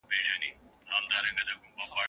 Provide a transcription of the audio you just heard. دلته رنګین، رنګین خوبونه لیدل